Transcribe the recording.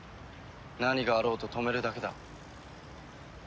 何があろうと止めるだけだ。